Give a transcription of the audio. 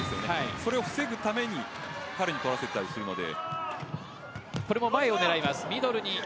それを防ぐために彼に取らせていたりするので。